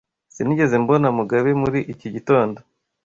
Sinigeze mbona Mugabe muri iki gitondo.